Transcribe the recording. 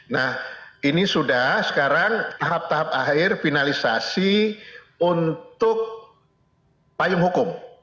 nah ini sudah sekarang tahap tahap akhir finalisasi untuk payung hukum